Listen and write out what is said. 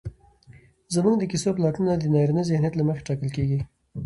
زموږ د کيسو پلاټونه د نارينه ذهنيت له مخې ټاکل کېږي